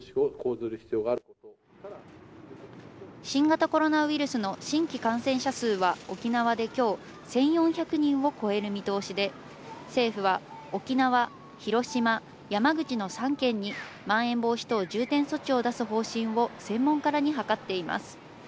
新型コロナウイルスの新規感染者数は沖縄で今日、１４００人を超える見通しで、政府は沖縄・広島・山口の３県にまん延防止等重点措置を出す方針を専門家らに諮っています。